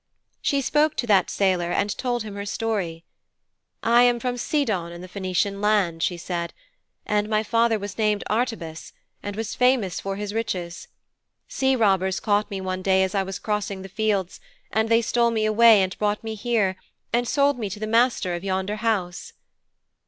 'She spoke to that sailor and told him her story. "I am from Sidon in the Phœnician land," she said, "and my father was named Artybas, and was famous for his riches. Sea robbers caught me one day as I was crossing the fields, and they stole me away, and brought me here, and sold me to the master of yonder house."'